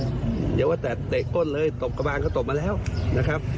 อย่าว่าแต่เตะก้นเลยตบกระบานก็ตบมาแล้วนะครับ